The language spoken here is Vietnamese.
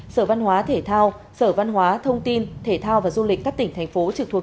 sở văn hóa thể thao sở văn hóa thông tin thể thao và du lịch các tỉnh thành phố trực thuộc